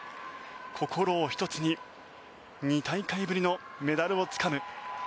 心を一つに２大会ぶりのメダルをつかむ。